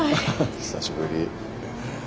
久しぶり。